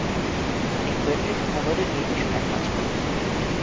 তিনি ফ্রেডরিখ হোমেলের নির্দেশনায় কাজ করতেন।